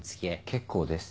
結構です。